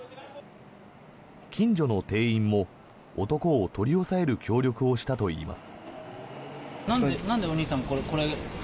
近所の店員も男を取り押さえる協力をしたといいます。